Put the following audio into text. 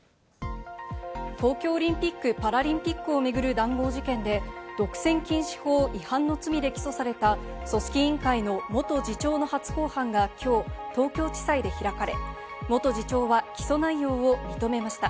東京オリンピック・パラリンピックを巡る談合事件で、独占禁止法違反の罪で起訴された組織委員会の元次長の初公判がきょう、東京地裁で開かれ、元次長は起訴内容を認めました。